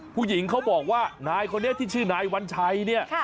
ผู้หญิงเขาบอกว่านายคนนี้ที่ชื่อนายวัญชัยเนี่ย